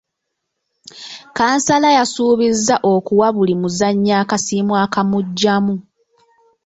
Kansala y’asuubiza okuwa buli muzannyi akasiimo akamugyamu.